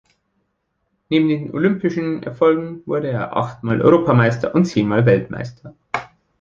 Neben den olympischen Erfolgen wurde er achtmal Europameister und zehnmal Weltmeister.